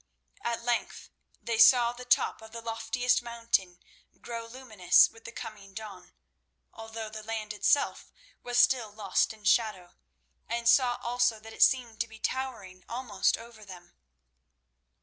At length they saw the top of the loftiest mountain grow luminous with the coming dawn, although the land itself was still lost in shadow, and saw also that it seemed to be towering almost over them.